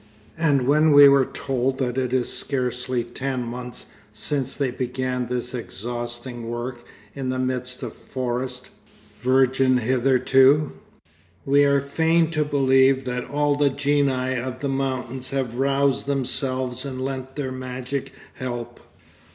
And when we were told that it is scarcely ten months since they began this exhausting work in the midst of forest, virgin hitherto, we are fain to believe that all the Genii of the mountains have roused themselves and lent their magic help.